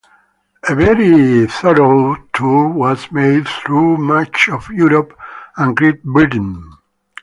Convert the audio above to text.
A very thorough tour was made through much of Europe and Great Britain.